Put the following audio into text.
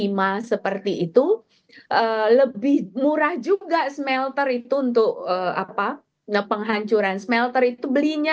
lima seperti itu lebih murah juga smelter itu untuk apa nge penghancuran smelter itu belinya